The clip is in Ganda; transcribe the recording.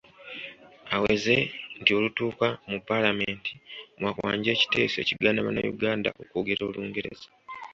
Aweze nti olutuuka mu Paalamenti waakwanja ekiteeso ekigaana bannayuganda okwogera Olungereza.